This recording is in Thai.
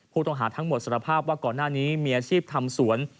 ผู้ต้องหาทั้งหมดสารภาพว่าก่อนหน้านี้มีอาชีพทำสวน